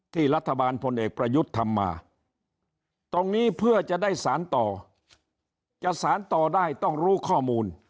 ที่รัฐบาลพลเอกประยุทธ์ทำมาตรงนี้เพื่อจะได้สารต่อจะสารต่อได้ต้องรู้ข้อมูล